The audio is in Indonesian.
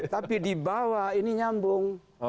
tapi di bawah ini nyambung